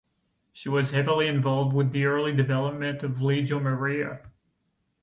She was heavily involved with the early development of Legio Maria.